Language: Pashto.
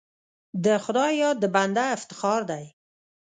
د خدای یاد د بنده افتخار دی.